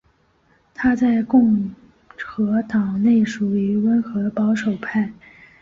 他在共和党内属于温和保守派。